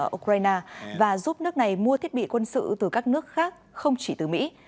ở ukraine và giúp nước này mua thiết bị quân sự từ các nước khác không chỉ từ mỹ